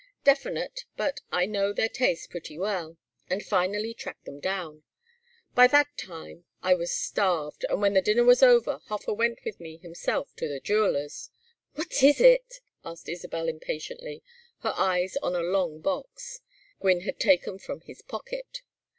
Definite, but I know their tastes pretty well, and finally tracked them down. By that time I was starved, but when the dinner was over Hofer went with me himself to the jeweller's " "What is it?" asked Isabel, impatiently, her eyes on a long box Gwynne had taken from his pocket.